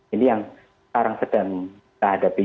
ini yang sekarang sedang terhadap dia